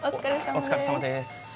お疲れさまです。